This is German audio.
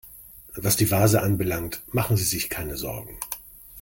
Was die Vase anbelangt, machen Sie sich keine Sorgen.